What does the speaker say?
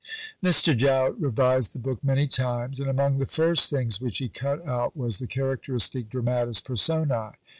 Mr. Jowett revised the book many times, and among the first things which he cut out was the characteristic "Dramatis Personæ."